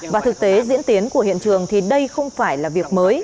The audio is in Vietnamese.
và thực tế diễn tiến của hiện trường thì đây không phải là việc mới